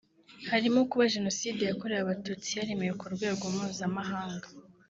Harimo kuba Jenoside yakorewe abatutsi yaremewe ku rwego mpuzamahanga